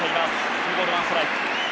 ツーボールワンストライク。